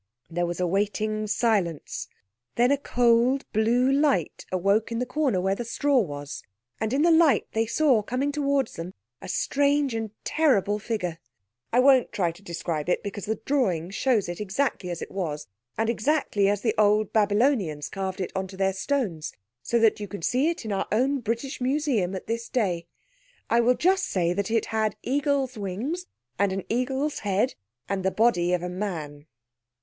There was a waiting silence. Then a cold, blue light awoke in the corner where the straw was—and in the light they saw coming towards them a strange and terrible figure. I won't try to describe it, because the drawing shows it, exactly as it was, and exactly as the old Babylonians carved it on their stones, so that you can see it in our own British Museum at this day. I will just say that it had eagle's wings and an eagle's head and the body of a man.